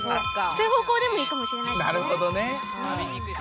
そういう方向でもいいかもしれないですね。